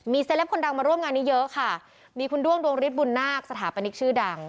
เซลปคนดังมาร่วมงานนี้เยอะค่ะมีคุณด้วงดวงฤทธบุญนาคสถาปนิกชื่อดัง